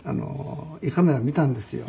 「胃カメラ見たんですよ」